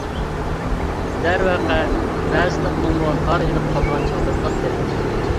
دەرۋەقە، بەزىدە ئۇنىڭمۇ ھار ئېلىپ قالىدىغان چاغلىرى بولاتتى.